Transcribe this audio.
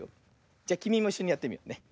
じゃきみもいっしょにやってみようね。